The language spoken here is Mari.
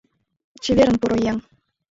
Чеверын, поро еҥ!..